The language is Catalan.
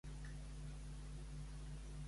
Què va fer Ino amb Melicertes?